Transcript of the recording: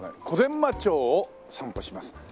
小伝馬町を散歩します。